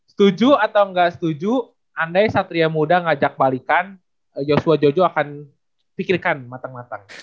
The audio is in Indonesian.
setuju atau gak setuju andai satria muda ngajak balikan joshua jojo akan pikirkan matang matang